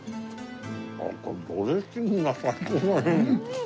あっこれドレッシングが最高だね。